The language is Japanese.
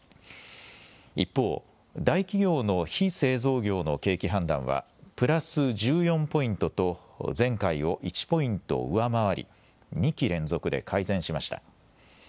一方、大企業の非製造業の景気判断はプラス１４ポイントと、前回を１ポイント上回り、２期連続で改善しました。